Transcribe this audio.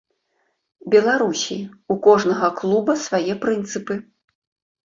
Беларусі, у кожнага клуба свае прынцыпы.